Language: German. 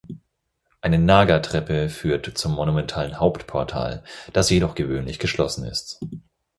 Eine Naga-Treppe führt zum monumentalen Hauptportal, das jedoch gewöhnlich geschlossen ist.